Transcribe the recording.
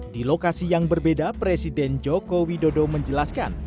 di lokasi yang berbeda presiden joko widodo menjelaskan